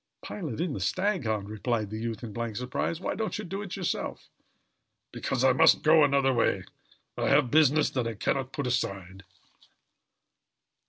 "Pilot in the Staghound!" repeated the youth in blank surprise. "Why don't you do it yourself?" "Because I must go another way. I have business that I can not put aside."